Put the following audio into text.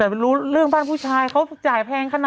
แต่ไม่รู้เรื่องบ้านผู้ชายเขาจ่ายแพงขนาด